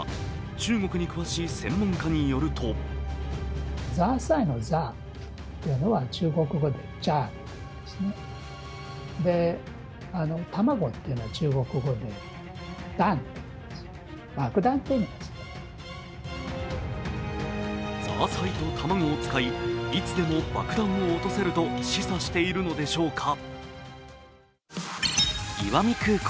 中国に詳しい専門家によるとザーサイと卵を使いいつでも爆弾を落とせると示唆しているのでしょうか。